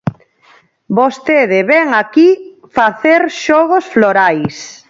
Vostede vén aquí facer xogos florais.